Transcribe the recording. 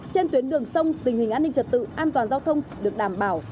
trên tuyến đường sông tình hình an ninh trật tự an toàn giao thông được đảm bảo